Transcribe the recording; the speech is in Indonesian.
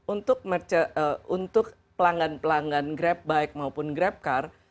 untuk pelanggan pelanggan grab bike maupun grab car